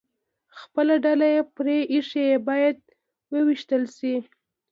خپله ډله یې پرې ایښې، باید ووېشتل شي.